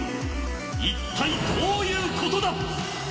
一体どういうことだ。